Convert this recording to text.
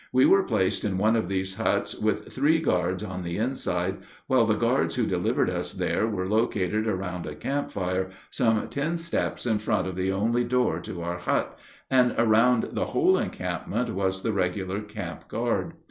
We were placed in one of these huts with three guards on the inside, while the guards who delivered us there were located around a campfire some ten steps in front of the only door to our hut, and around the whole encampment was the regular camp guard.